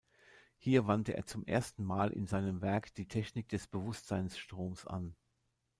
Hier wandte er zum ersten Mal in seinem Werk die Technik des Bewusstseinsstroms an.